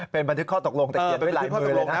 เป็นบันทึกข้อตกลงแต่ยังไม่หลายมือเลยนะ